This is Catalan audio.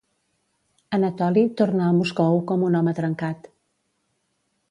Anatoli torna a Moscou com un home trencat.